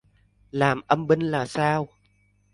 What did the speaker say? Làm âm binh là sao